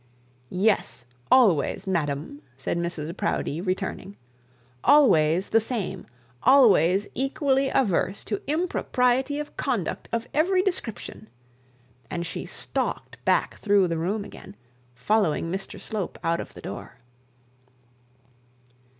'Yes always madam,' said Mrs Proudie, returning; 'always the same always equally adverse to the impropriety of conduct of every description;' and she stalked back through the room again, following Mr Slope out of the door.